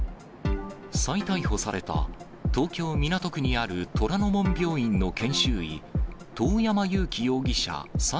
再逮捕された東京・港区にある虎の門病院の研修医、遠山友希容疑者